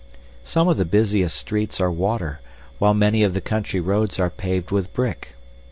Some of the busiest streets are water, while many of the country roads are paved with brick.